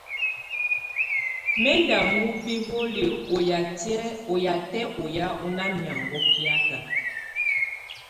Mɛ̀ ndɔ̀ ɔŋ biholiǝ́ ɔ yatɛ̀ ɔyà ɔ́ nà miaŋgɔ kiaka.